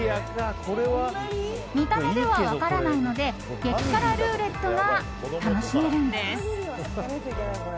見た目では分からないので激辛ルーレットが楽しめるんです。